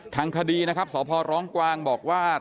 ทางคดีนะครับสพร้องกวางบอกว่า